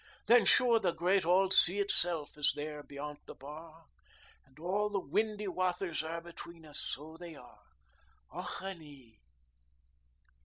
Then sure the great ould sea itself is there beyont the bar, An' all the windy wathers are between us, so they are. Och anee!"